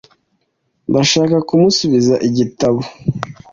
Ndashaka kumusubiza igitabo.